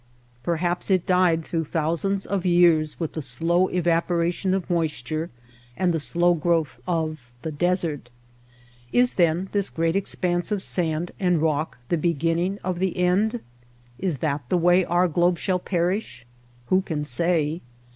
Perhaps it MOUNTAIN BARRIERS 231 died through thousands of years with the slow evaporation of moisture and the slow growth of the — desert. Is then this great expanse of sand and rock the beginning of the end ? Is that the way our globe shall perish ? Who can say